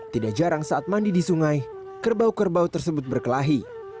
tidak jarang saat mandi di sungai kerbau kerbau tersebut berkelahi